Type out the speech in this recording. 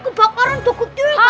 kebakaran cukup juga